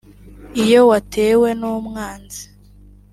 Iyo watewe n’umwanzi